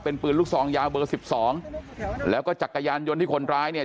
เป็นปืนลูกซองยาวเบอร์สิบสองแล้วก็จักรยานยนต์ที่คนร้ายเนี่ย